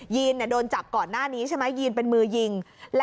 ีนโดนจับก่อนหน้านี้ใช่ไหมยีนเป็นมือยิง